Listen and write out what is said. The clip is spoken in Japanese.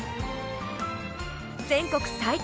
全国最多！